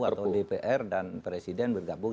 atau dpr dan presiden bergabung